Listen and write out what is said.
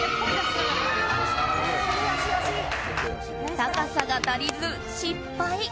高さが足りず失敗。